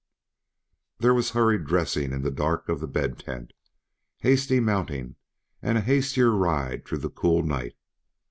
There was hurried dressing in the dark of the bed tent, hasty mounting, and a hastier ride through the cool night air.